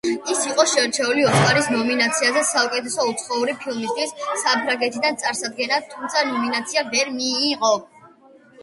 ის იყო შერჩეული ოსკარის ნომინაციაზე საუკეთესო უცხოური ფილმისთვის საფრანგეთიდან წარსადგენად, თუმცა ნომინაცია ვერ მიიღო.